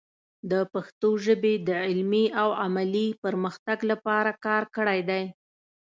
د پښتو ژبې د علمي او عملي پرمختګ لپاره کار کړی دی.